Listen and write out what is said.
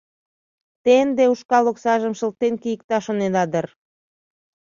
Те ынде ушкал оксажым шылтен кийыкта шонеда дыр?